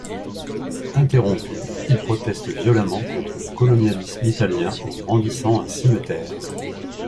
Interrompu, il proteste violemment contre le colonialisme italien en brandissant un cimeterre.